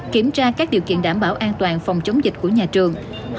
kiểm tra các điều kiện đảm bảo an toàn phòng chống dịch của nhà trường